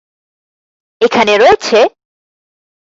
এখানে রয়েছেঃ